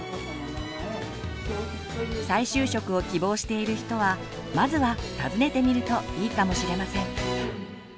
再就職を希望している人はまずは訪ねてみるといいかもしれません。